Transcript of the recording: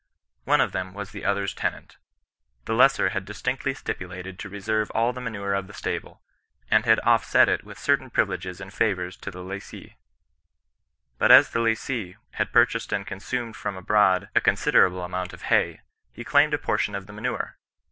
One of them was the other's tenant. The lessor had distinctly stipulated to reserve all the manure of the stable, and ha.<i Q!fta»<s^» >^ 98 CHBISTIAN 2)0N BESISTANCE. with certain privileges and favours to the lessee. But as the lessee had purchased and consumed from abroad «a considerable amount of hay, he claimed a portion of the manure.